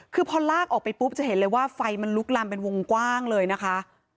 คือพอลากออกไปปุ๊บจะเห็นเลยว่าไฟมันลุกลำเป็นวงกว้างเลยนะคะ